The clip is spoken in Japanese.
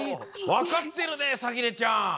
わかってるねさきねちゃん！